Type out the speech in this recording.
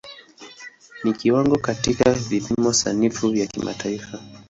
Ni kiwango katika vipimo sanifu vya kimataifa.